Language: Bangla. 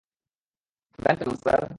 ভ্যানকাম, স্যার।